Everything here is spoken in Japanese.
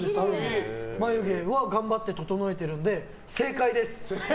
眉毛は頑張って整えてるので正解です！